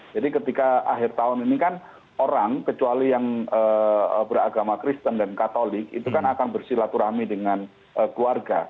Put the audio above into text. jadi ketika akhir tahun ini kan orang kecuali yang beragama kristen dan katolik itu kan akan bersilaturahmi dengan keluarga